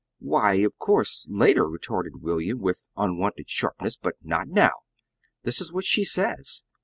"Why, of course, later," retorted William, with unwonted sharpness. "But not now. This is what she says."